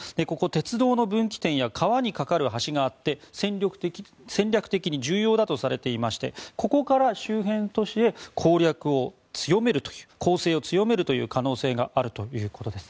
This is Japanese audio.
鉄道の分岐点や川に架かる橋があって戦略的に重要だとされていましてここから周辺都市へ攻勢を強める可能性があるということです。